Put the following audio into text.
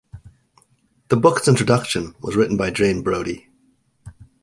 The book's introduction was written by Jane Brody.